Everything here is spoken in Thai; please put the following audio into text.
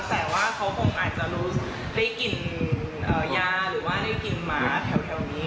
แต่ว่าเขาคงอาจจะรู้ได้กลิ่นยาหรือว่าได้กลิ่นหมาแถวนี้